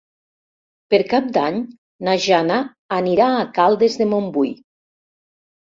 Per Cap d'Any na Jana anirà a Caldes de Montbui.